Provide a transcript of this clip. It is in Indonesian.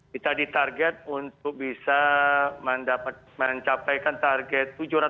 kita ditarget untuk bisa mencapai target